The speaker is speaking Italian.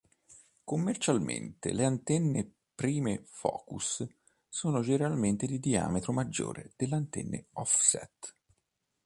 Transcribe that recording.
Commercialmente le antenne prime-focus sono generalmente di diametro maggiore delle antenne offset.